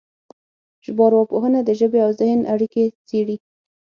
ژبارواپوهنه د ژبې او ذهن اړیکې څېړي